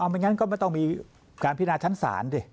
ไม่งั้นก็ไม่ต้องมีการพินาชั้นศาลดิ